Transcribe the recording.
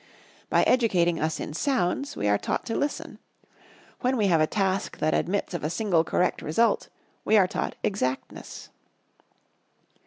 By educating us in sounds, we are taught to Listen. When we have a task that admits of a single correct result, we are taught Exactness.